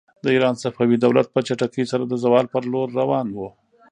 د ایران صفوي دولت په چټکۍ سره د زوال پر لور روان و.